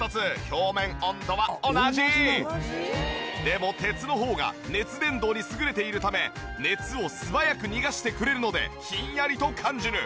でも鉄の方が熱伝導に優れているため熱を素早く逃がしてくれるのでひんやりと感じる。